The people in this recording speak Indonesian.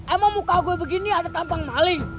emang muka gue begini ada tampang maling